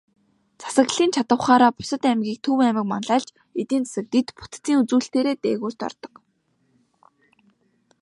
Засаглалын чадавхаараа бусад аймгийг Төв аймаг манлайлж, эдийн засаг, дэд бүтцийн үзүүлэлтээрээ дээгүүрт ордог.